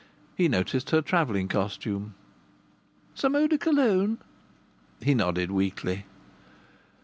He noticed her travelling costume. "Some eau de Cologne?" He nodded weakly.